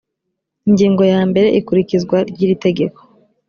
ingingo ya mbere ikurikizwa ry iri tegeko